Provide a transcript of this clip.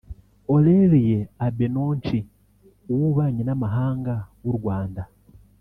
Aurelien Agbenonci; uw’Ububanyi n’Amahanga w’u Rwanda